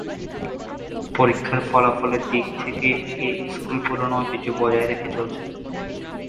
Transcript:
পরীক্ষার ফলাফলের দিক থেকে এ স্কুল পুরানো ঐতিহ্য বজায় রেখে চলেছে।